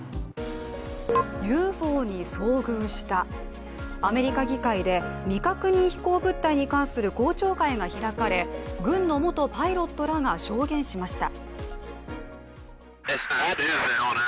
ＵＦＯに遭遇したアメリカ議会で未確認飛行物体に関する公聴会が開かれ軍の元パイロットらが証言しました。